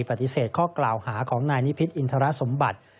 ปฏิเสธข้อกล่าวหาของนายนิพิษอินทรสมบัติ